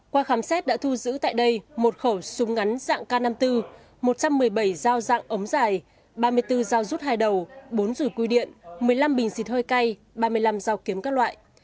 qua khám xét đã thu giữ tại đây một khẩu súng ngắn dạng k năm mươi bốn một trăm một mươi bảy dao dạng ống dài ba mươi bốn dao rút hai đầu bốn rùi quy điện một mươi năm bình xịt hơi cay ba mươi năm dao kiếm các loại